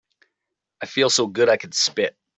I feel so good I could spit.